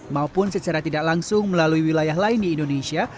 maupun secara tidak langsung melalui wilayah lain di indonesia